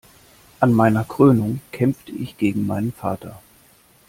An meiner Krönung kämpfte ich gegen meinen Vater.